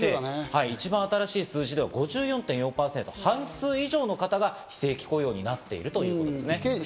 一番新しい数字では５４．４％、半数以上の方が非正規雇用になっているんですね。